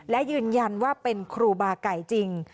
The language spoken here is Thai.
และยืนยันว่าเป็นครูบาไก่จริง